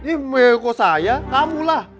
eh kok saya kamu lah